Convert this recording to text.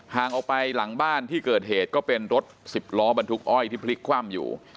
ออกไปหลังบ้านที่เกิดเหตุก็เป็นรถสิบล้อบรรทุกอ้อยที่พลิกคว่ำอยู่